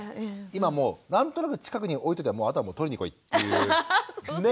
今もう何となく近くに置いとけばあとはもう取りに来いっていう。ね？